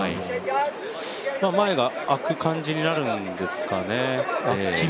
前があく感じになるんですかね。